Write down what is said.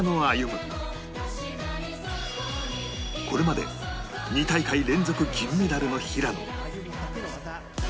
これまで２大会連続銀メダルの平野